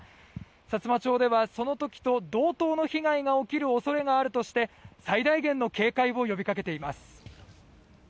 さつま町ではその時と同等の被害が起きる恐れがあるとして最大限の警戒を呼びかけています。